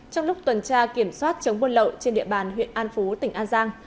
trong lúc tuần tra kiểm soát chống buôn lậu trên địa bàn huyện an phú tỉnh an giang